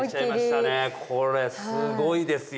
これすごいですよ。